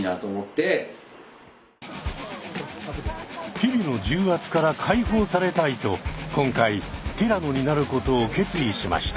日々の重圧から解放されたいと今回ティラノになることを決意しました。